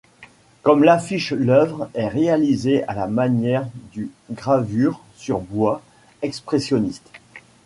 Comme l'affiche l'œuvre est réalisé à la manière du gravure sur bois expressionniste.